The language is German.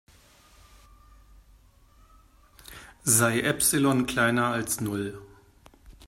Sei Epsilon kleiner als Null.